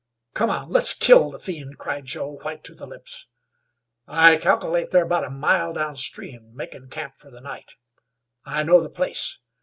"Come on. Let's kill the fiend!" cried Joe, white to the lips. "I calkilate they're about a mile down stream, makin' camp fer the night. I know the place.